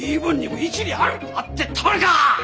あってたまるか！